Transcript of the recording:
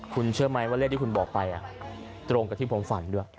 คุณเชื่อไหมว่าเลขที่คุณบอกไปตรงกับที่ผมฝันด้วย